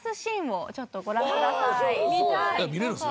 見られるんですね。